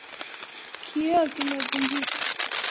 Kioo kimevunjika.